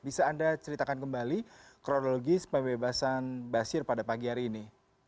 bisa anda ceritakan kembali kronologis pembebasan basir pada pagi hari ini